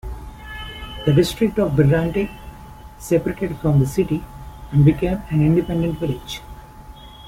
The district of Berente separated from the city and became an independent village.